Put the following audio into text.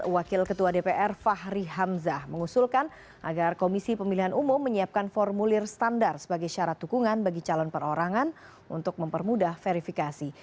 wakil ketua dpr fahri hamzah mengusulkan agar komisi pemilihan umum menyiapkan formulir standar sebagai syarat dukungan bagi calon perorangan untuk mempermudah verifikasi